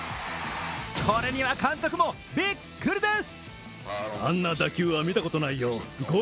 これには監督もびっくりです。